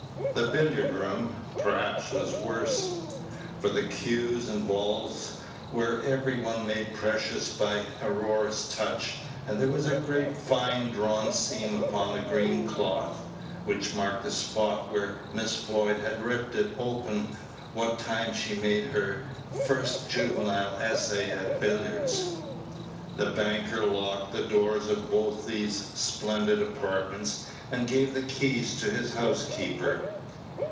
The billiard room, perhaps, was worse; for the cues and balls were every one made precious by Aurora's touch; and there was a great fine drawn seam upon the green cloth, which marked the spot where Miss Floyd had ripped it open what time she made her first juvenile essay at billiards. The banker locked the doors of both these splendid apartments, and gave the keys to his housekeeper.